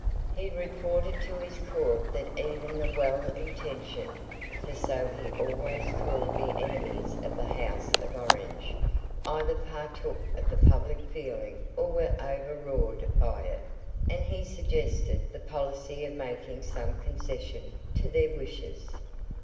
He reported to his court that even the well intentioned for so he always called the enemies of the House of Orange either partook of the public feeling or were overawed by it; and he suggested the policy of making some concession to their wishes.